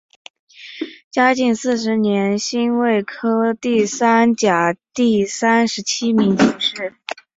嘉靖四十年辛未科第三甲第三十七名进士。